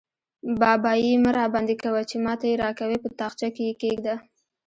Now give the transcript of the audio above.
بابايي مه راباندې کوه؛ چې ما ته يې راکوې - په تاخچه کې يې کېږده.